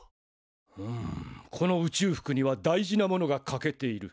うんこの宇宙服には大事なものが欠けている。